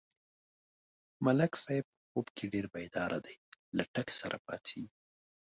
ملک صاحب په خوب کې ډېر بیداره دی، له ټک سره پا څېږي.